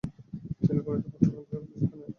তিনি গণিতে পাঠক্রম বহির্ভূত শিক্ষা নেন।